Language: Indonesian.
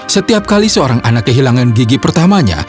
setiap kali seorang anak kehilangan gigi pertamanya